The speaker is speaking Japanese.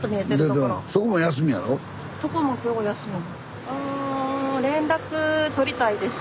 そこも今日休み。